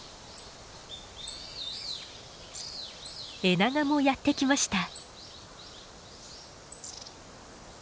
エナガもやって来ました。